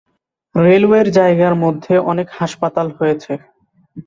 রেলওয়ের জায়গার মধ্যে অনেক হাসপাতাল হয়েছে।